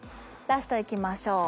ラストいきましょう。